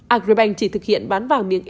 agribank chỉ thực hiện bán vàng miếng